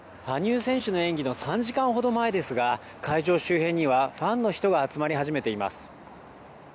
羽生選手の演技の３時間ほど前ですが会場周辺にはファンの人が集まり始めています。